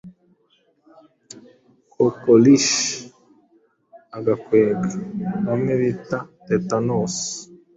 kokorishi, agakwega bamwe bita tetanosi,